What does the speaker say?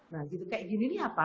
nah gitu kayak gini nih apa